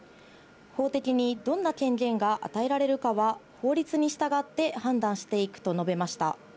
法的にどんな権限が与えられるかは、法律に従って判断していくと述べました。